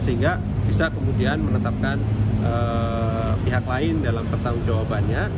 sehingga bisa kemudian menetapkan pihak lain dalam pertanggung jawabannya